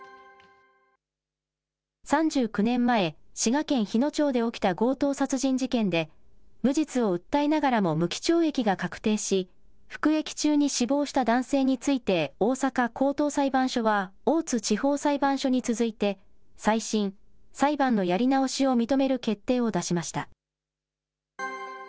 ３９年前、滋賀県日野町で起きた強盗殺人事件で、無実を訴えながらも無期懲役が確定し、服役中に死亡した男性について、大阪高等裁判所は大津地方裁判所に続いて、再審・裁判のやり直しを認める決定を出しました。